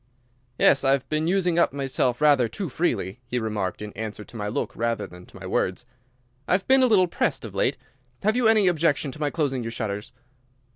"Yes, I have been using myself up rather too freely," he remarked, in answer to my look rather than to my words; "I have been a little pressed of late. Have you any objection to my closing your shutters?"